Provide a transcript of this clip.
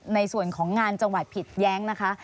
ในส่วนของงานจังหวัดผิดแย้งนะคะ